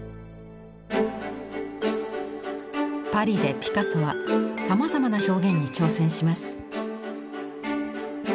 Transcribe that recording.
パリでピカソはさまざまな表現に挑戦します。